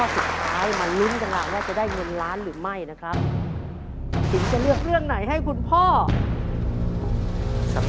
สำนวนทุกษ์